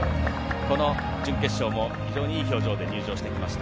準決勝も非常にいい表情で入場してきました。